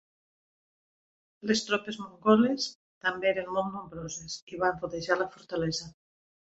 Les tropes mongoles també eren molt nombroses i van rodejar la fortalesa.